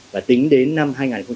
và tính đến năm hai nghìn hai mươi hai